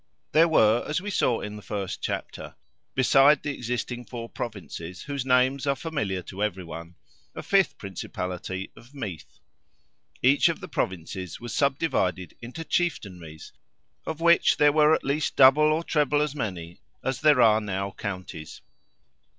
There were, as we saw in the first chapter, beside the existing four Provinces, whose names are familiar to every one, a fifth principality of Meath. Each of the Provinces was subdivided into chieftainries, of which there were at least double or treble as many as there are now counties.